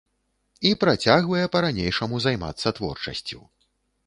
І працягвае па-ранейшаму займацца творчасцю.